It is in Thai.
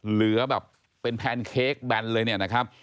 เหลือแบบเป็นแพนเค้กแบนเลยเนี่ยนะครับ